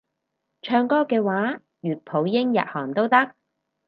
唱歌嘅話粵普英日韓都得